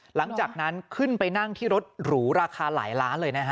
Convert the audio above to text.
หลังจากนั้นขึ้นไปนั่งที่รถหรูราคาหลายล้านเลยนะฮะ